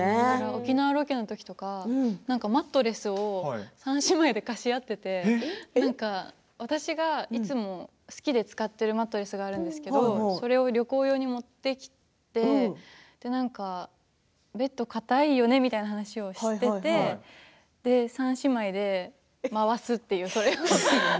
沖縄ロケのときとかマットレスを三姉妹で貸し合っていて私がいつも好きで使っているマットレスがあるんですけどそれを、旅行用に持ってきてベッドがかたいよねっていう話をしていて三姉妹でそれを回すっていう。